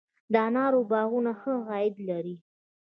د انارو باغونه ښه عاید لري؟